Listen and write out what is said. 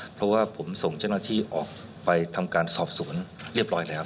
เพราะว่าผมส่งเจ้าหน้าที่ออกไปทำการสอบสวนเรียบร้อยแล้ว